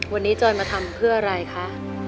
วันนี้จอยมาทำเพื่ออะไรคะ